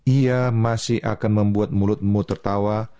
ia masih akan membuat mulutmu tertawa